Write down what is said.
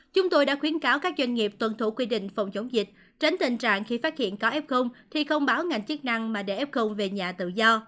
chúng tôi đã khuyến cáo các doanh nghiệp tuân thủ quy định phòng chống dịch tránh tình trạng khi phát hiện có f thì không báo ngành chức năng mà để f về nhà tự do